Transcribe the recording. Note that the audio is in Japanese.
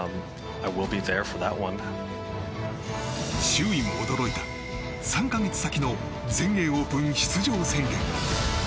周囲も驚いた、３か月先の全英オープン出場宣言。